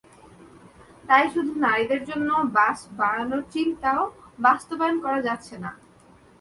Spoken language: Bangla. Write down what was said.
তাই শুধু নারীদের জন্য বাস বাড়ানোর চিন্তাও বাস্তবায়ন করা যাচ্ছে না।